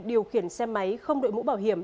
điều khiển xe máy không đội mũ bảo hiểm